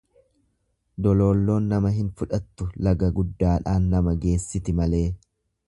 Doloolloon nama hin fudhattu laga guddaadhaan nama geessiti malee.